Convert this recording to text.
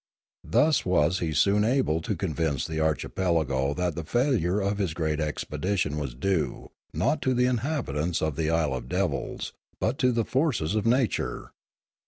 Thus was he soon able to convince the archipelago that the failure of his great expedition was due, not to the inhabitants of the Isle of Devils, but to the forces of nature.